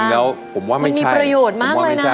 แต่จริงแล้วผมว่าไม่ใช่มันมีประโยชน์มากเลยนะ